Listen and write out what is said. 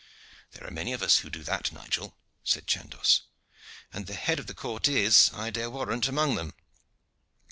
"There are many of us who do that, Nigel," said Chandos, "and the head of the court is, I dare warrant, among them.